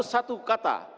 tapi harus satu kata